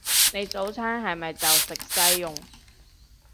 你早餐係咪就係食細蓉？